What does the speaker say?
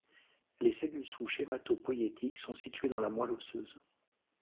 Les cellules souches hématopoïétiques sont situées dans la moelle osseuse.